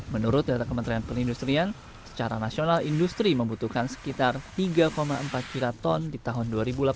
menurut data kementerian perindustrian secara nasional industri membutuhkan sekitar tiga empat juta ton di tahun dua ribu delapan belas